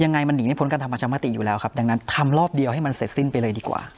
ยังไงมันหนีไม่พ้นการทำประชามติอยู่แล้วครับดังนั้นทำรอบเดียวให้มันเสร็จสิ้นไปเลยดีกว่า